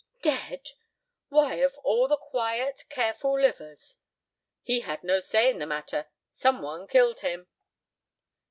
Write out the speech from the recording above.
"Dead! Why, of all the quiet, careful livers—" "He had no say in the matter. Some one killed him."